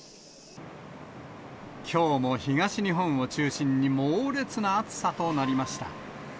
きょうも東日本を中心に猛烈な暑さとなりました。